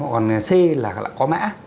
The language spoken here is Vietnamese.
còn c là có mã